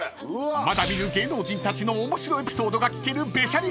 ［まだ見ぬ芸能人たちの面白エピソードが聞けるべしゃり博覧会開演！］